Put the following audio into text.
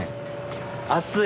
暑い？